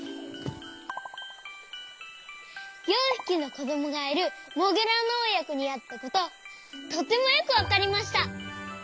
４ひきのこどもがいるモグラのおやこにあったこととてもよくわかりました。